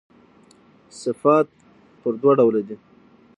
صفات پر دوه ډوله دي.